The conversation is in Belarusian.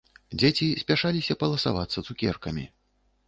Дзеці спяшаліся паласавацца цукеркамі